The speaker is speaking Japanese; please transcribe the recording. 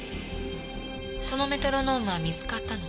そのメトロノームは見つかったの？